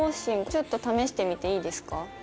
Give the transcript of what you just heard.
ちょっと試してみていいですか？